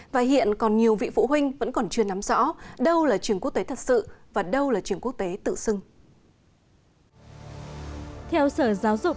và hiện còn nhiều vị phụ huynh vẫn còn chưa nắm rõ đâu là trường quốc tế thật sự và đâu là trường quốc tế tự xưng